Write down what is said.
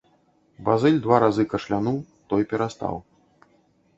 Базыль два разы кашлянуў, той перастаў.